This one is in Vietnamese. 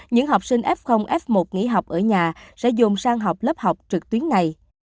những học sinh f f một nghỉ học ở nhà sẽ dồn sang học lớp học trực tuyến này